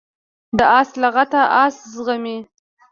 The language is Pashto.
د آس لغته آس زغمي.